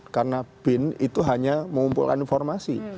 karena bin itu hanya mengumpulkan informasi